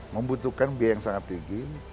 membutuhkan biaya yang sangat tinggi